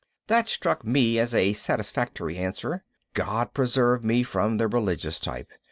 That struck me as a satisfactory answer. God preserve me from the religious type!